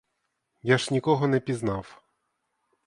Я ж нікого не пізнав.